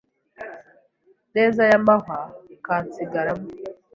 neza ya mahwa kansigaramo